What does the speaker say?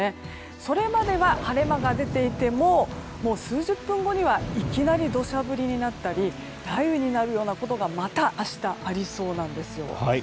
それまでは晴れ間が出ていても数十分後にはいきなり土砂降りになったり雷雨になるようなことがまた明日ありそうなんですよ。